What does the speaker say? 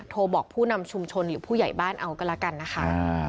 โทรบอกผู้นำชุมชนหรือผู้ใหญ่บ้านเอาก็แล้วกันนะคะ